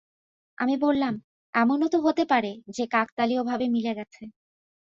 আমি বললাম, এমনো তো হতে পারে যে, কাকতালীয়ভাবে মিলে গেছে।